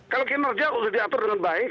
kalau kinerja sudah diatur dengan baik